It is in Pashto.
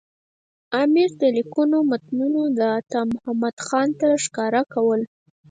امیر د لیکونو متنونه عطامحمد خان ته ښکاره کول.